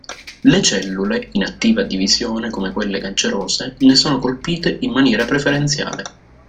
Le cellule in attiva divisione, come quelle cancerose, ne sono colpite in maniera preferenziale.